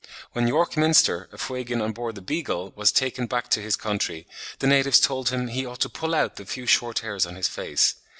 When York Minster, a Fuegian on board the "Beagle," was taken back to his country, the natives told him he ought to pull out the few short hairs on his face.